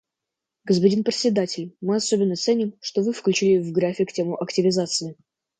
Господин Председатель, мы особенно ценим, что вы включили в график тему активизации.